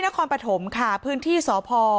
นครปฐมค่ะพื้นที่สพ